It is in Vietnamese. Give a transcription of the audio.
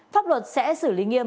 pháp luật sẽ xử lý nghiêm